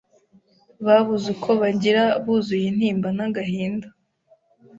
babuze uko bagira buzuye intimba n’agahinda